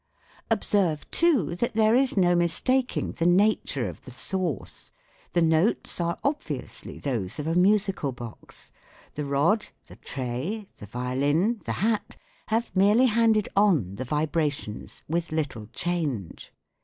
Observe, too, that there is no mistaking the nature of the source ; the notes are obviously those of a musical box ; the rod, the tray, the violin, the hat, have merely handed on the vibra tions, with little change.